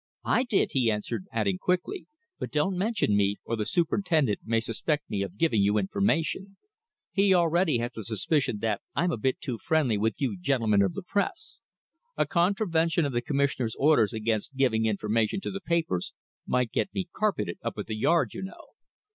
"I did," he answered, adding quickly, "but don't mention me, or the superintendent may suspect me of giving you information. He already has a suspicion that I'm a bit too friendly with you gentlemen of the press. A contravention of the Commissioner's orders against giving information to the papers might get me carpeted up at the Yard, you know."